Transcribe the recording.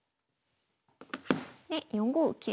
で４五桂。